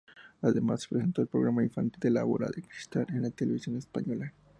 Además, presentó el programa infantil "La Bola de Cristal" en Televisión Española.